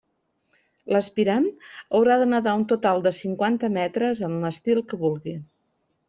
L'aspirant haurà de nedar un total de cinquanta metres amb l'estil que vulgui.